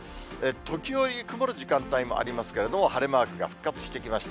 時折、曇る時間帯もありますけれども、晴れマークが復活してきました。